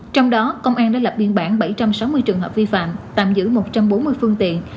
trong đó công an đã lập biên bản bảy trăm sáu mươi trường hợp vi phạm tạm giữ một trăm bốn mươi phương tiện